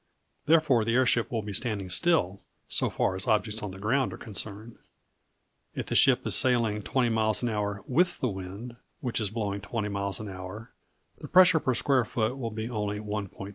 Therefore the airship will be standing still, so far as objects on the ground are concerned. If the ship is sailing 20 miles an hour with the wind, which is blowing 20 miles an hour, the pressure per square foot will be only 1.2 lbs.